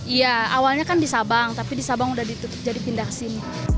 iya awalnya kan di sabang tapi di sabang udah ditutup jadi pindah kesini